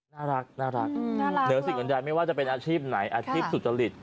น่ารักเหนือสิ่งอื่นใดไม่ว่าจะเป็นอาชีพไหนอาชีพสุจริต